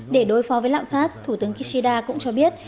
để đối phó với lạm phát thủ tướng kishida cũng cho biết